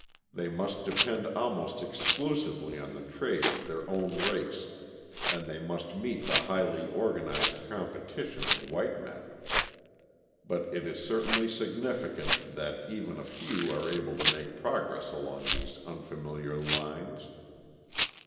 They must depend almost exclusively on the trade of their own race, and they must meet the highly organised competition of white men. But it is certainly significant that even a few are able to make progress along these unfamiliar lines.